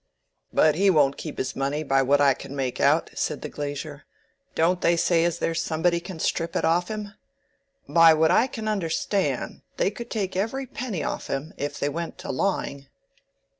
"But he won't keep his money, by what I can make out," said the glazier. "Don't they say as there's somebody can strip it off him? By what I can understan', they could take every penny off him, if they went to lawing."